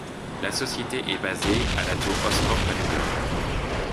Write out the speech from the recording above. La société est basée à la tour Oscorp à New York.